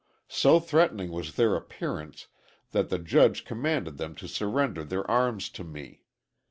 So threatening was their appearance that the judge commanded them to surrender their arms to me.